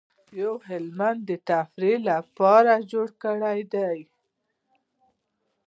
یو هلمندي د تفریح لپاره جوړ کړی دی.